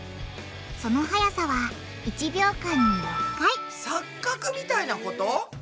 その速さは１秒間に６回錯覚みたいなこと？